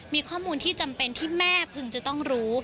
มีข้อมูลที่จำเป็นที่แม่พึงจะต้องรู้